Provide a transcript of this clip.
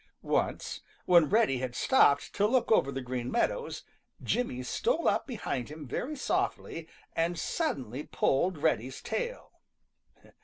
Once, when Reddy had stopped to look over the Green Meadows, Jimmy stole up behind him very softly and suddenly pulled Reddy's tail.